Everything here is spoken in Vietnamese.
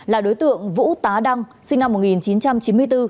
là đối tượng vũ tá đăng sinh năm một nghìn chín trăm chín mươi bốn